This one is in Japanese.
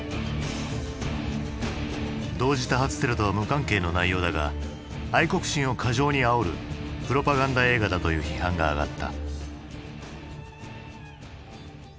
同時多発テロとは無関係の内容だが愛国心を過剰にあおるプロパガンダ映画だという批判が上がった。